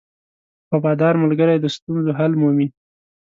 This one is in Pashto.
• وفادار ملګری د ستونزو حل مومي.